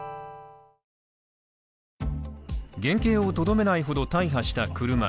原形をとどめないほど大破した車。